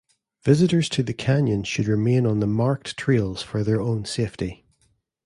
Visitors to the canyon should remain on the marked trails for their own safety.